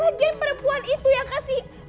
ajang perempuan itu yang kasih